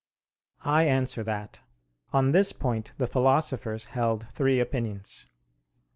I answer that, On this point the philosophers held three opinions.